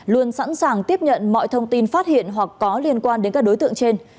luôn sẵn sàng tiếp nhận mọi thông tin phát hiện hoặc có liên quan đến các đối tượng trên